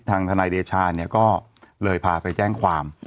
ทนายเดชาเนี่ยก็เลยพาไปแจ้งความ